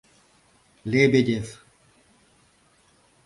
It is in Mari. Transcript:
— Лебедев.